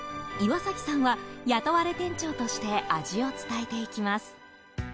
岩崎さんは雇われ店長として味を伝えていきます。